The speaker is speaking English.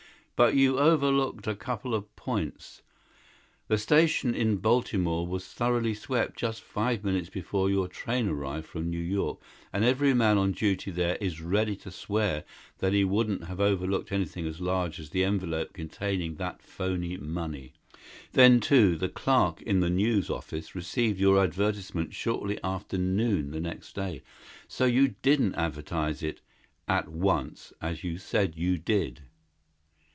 But you overlooked a couple of points. The station in Baltimore was thoroughly swept just five minutes before your train arrived from New York and every man on duty there is ready to swear that he wouldn't have overlooked anything as large as the envelope containing that phony money. Then, too, the clerk in the News office received your advertisement shortly after noon the next day so you didn't advertise it 'at once,' as you said you did.